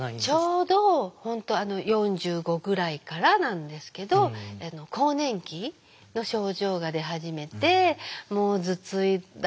ちょうど本当４５ぐらいからなんですけど更年期の症状が出始めてもう頭痛だ